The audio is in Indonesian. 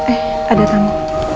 eh ada tamu